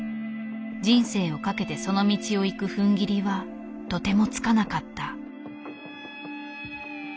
人生を懸けてその道を行く踏ん切りはとてもつかなかった。